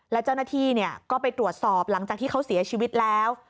และเจ้าหน้าที่ก็ไปตรวจสอบหลังจากที่เขาเสียชีวิตแล้ว